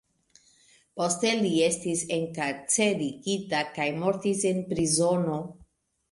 Poste li estis enkarcerigita kaj mortis en prizono.